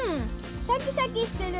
シャキシャキしてる。